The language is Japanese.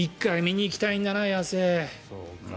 １回見に行きたいんだな。